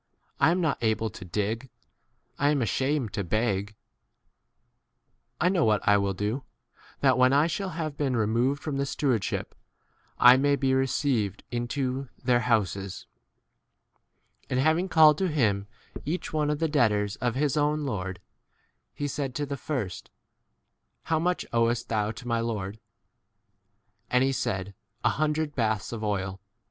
I am not able to dig ; I am asham 4 ed to beg. I know what I will do, that when I shall have been removed from the stewardship I may be received into their houses. 8 5 And having called to [him] each one of the debtors of his own lord, he said to the first, How much owest thou to my lord ? 6 And he said, A hundred baths of oil.